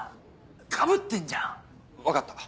かぶってんじゃん。分かった。